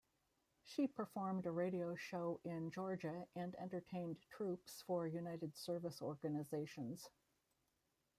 She performed a radio show in Georgia and entertained troops for United Service Organizations.